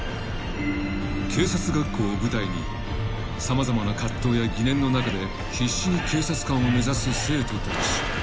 ［警察学校を舞台に様々な葛藤や疑念の中で必死に警察官を目指す生徒たち］